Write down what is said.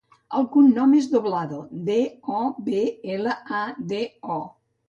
El cognom és Doblado: de, o, be, ela, a, de, o.